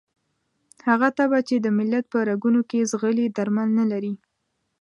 هغه تبه چې د ملت په رګونو کې ځغلي درمل نه لري.